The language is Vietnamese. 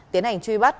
tiến hành truy bắt